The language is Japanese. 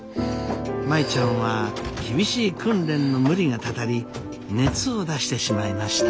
舞ちゃんは厳しい訓練の無理がたたり熱を出してしまいました。